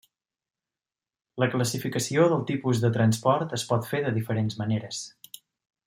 La classificació del tipus de transport es pot fer de diferents maneres.